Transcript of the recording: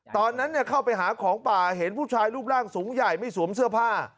ตอนนั้นเข้าไปหาของป่าเห็นผู้ชายรูปร่างสูงใหญ่ไม่สวมเสื้อผ้า